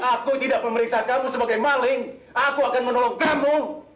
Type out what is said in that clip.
aku tidak memeriksa kamu sebagai maling aku akan menolong kamu